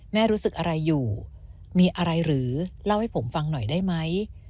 รู้สึกอะไรอยู่มีอะไรหรือเล่าให้ผมฟังหน่อยได้ไหม